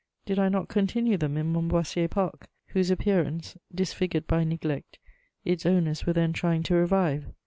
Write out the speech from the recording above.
Did I not continue them in Montboissier Park, whose appearance, disfigured by neglect, its owners were then trying to revive?